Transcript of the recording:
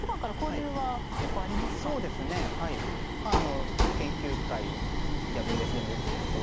まああの研究会やＶＳでもよく教わっていますし。